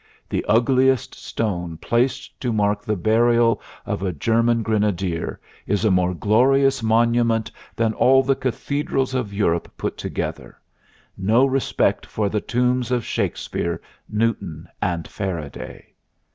The ugliest stone placed to mark the burial of a German grenadier is a more glorious monument than all the cathedrals of Europe put together. No respect for the tombs of Shakespeare, Newton and Faraday.